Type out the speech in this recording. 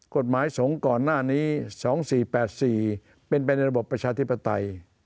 กฎหมายสงฆ์ก่อนหน้านี้๒๔๘๔เป็นไปในระบบประชาธิปไตย